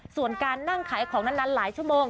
ส่วนการนั่งขายของนานหลายชั่วโมง